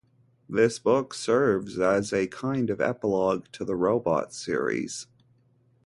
This book serves as a kind of epilogue to the "Robot" series.